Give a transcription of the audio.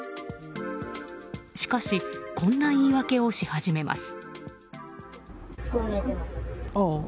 しかし、こんな言い訳をし始めます。